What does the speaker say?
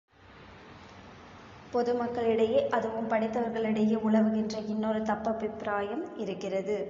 பொதுமக்களிடையே அதுவும் படித்தவர்களிடையே உலவுகின்ற இன்னொரு தப்பபிப்ராயம் இருக்கிறது.